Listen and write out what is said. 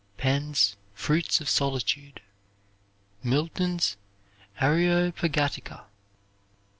Penn's "Fruits of Solitude." Milton's "Areopagitica."